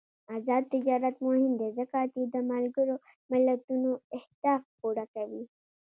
آزاد تجارت مهم دی ځکه چې د ملګرو ملتونو اهداف پوره کوي.